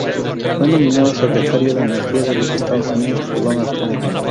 Fue nominado Secretario de Energía de los Estados Unidos por Donald J. Trump.